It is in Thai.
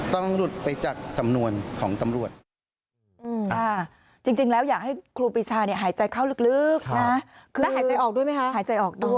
หลุดไปจากสำนวนของตำรวจ